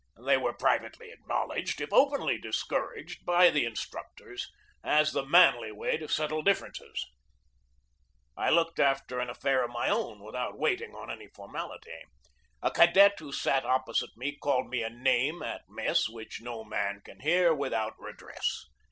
They were privately acknowledged, if openly discouraged, by the instructors as the manly way to settle differ ences. I looked after an affair of my own without waiting on any formality. A cadet who sat opposite me called me a name at mess which no man can hear without redress.